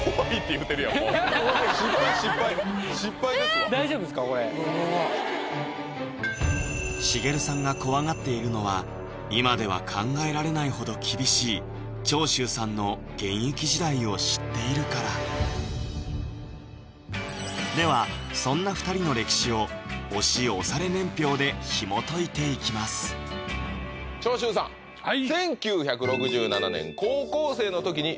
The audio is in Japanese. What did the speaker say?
失敗失敗失敗ですわこれ茂さんが怖がっているのは今では考えられないほど厳しい長州さんの現役時代を知っているからではそんな２人の歴史を推し推され年表でひもといていきます長州さんはい！